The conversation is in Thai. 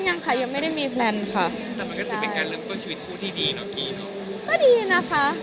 ยังไม่ได้มีแผนค่ะ